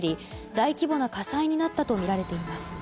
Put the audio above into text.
大規模な火災になったとみられています。